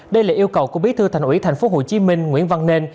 đây là yêu cầu của bí thư thành ủy tp hcm nguyễn văn nên